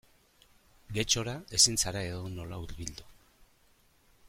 Getxora ezin zara edonola hurbildu.